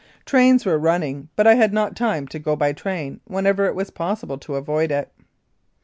Trains were running, but I had not time to go by train when ever it was possible to avoid it.